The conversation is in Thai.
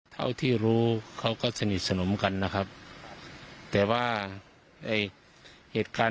เท่าที่รู้เขาก็สนิทสนมกันนะครับแต่ว่าไอ้เหตุการณ์